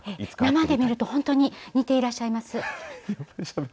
生で見ると本当に似ていらっしゃいます。